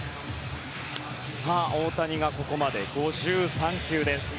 さあ、大谷がここまで５３球です。